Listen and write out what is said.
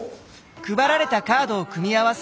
配られたカードを組み合わせ